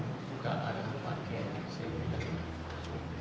enggak ada yang pakai saya mulai